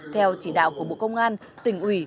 theo chỉ đạo của bộ công an tỉnh ủy